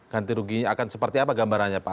ganti ruginya akan seperti apa gambarannya pak